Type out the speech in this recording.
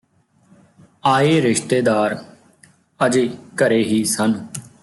ਆਏ ਰਿਸ਼ਤੇਦਾਰ ਅਜੇ ਘਰੇ ਹੀ ਸਨ